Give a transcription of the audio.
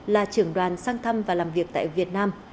là trưởng đoàn sang thăm và làm việc tại việt nam